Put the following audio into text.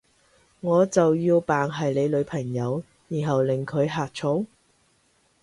我就要扮係你女朋友，然後令佢呷醋？